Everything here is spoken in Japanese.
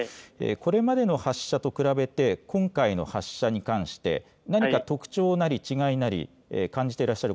これまでの発射と比べて、今回の発射に関して、何か特徴なり違いなり、感じてらっ